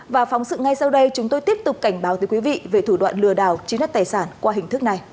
và phóng sự ngay sau đây chúng tôi tiếp tục cảnh báo tới quý vị về thủ đoạn lừa đảo chiếm đất tài sản qua hình thức này